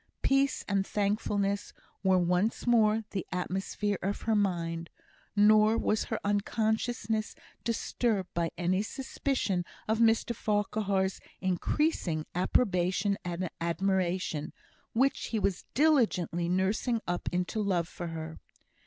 Peace and thankfulness were once more the atmosphere of her mind; nor was her unconsciousness disturbed by any suspicion of Mr Farquhar's increasing approbation and admiration, which he was diligently nursing up into love for her.